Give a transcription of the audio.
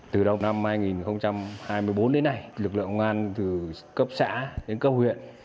từ đầu năm hai nghìn hai mươi bốn đến nay lực lượng công an từ cấp xã đến cấp huyện